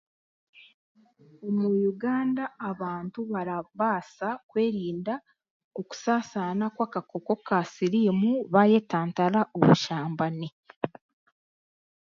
Mu Uganda abantu barabaasa kwerinda okusaasaana kw'akakooko ka siriimu baayetantara obushambani.